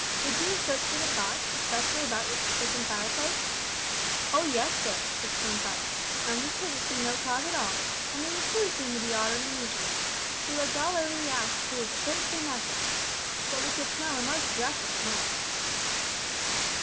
"Did you search for the cause, especially about your kitchen fireplace?" "O yes, sir," exclaimed Tottie, "an' we couldn't see no cause at all only the flue seemed to be 'otter than usual. We looked all over the 'ouse too, but couldn't see nothink but we could feel a most drefful smell."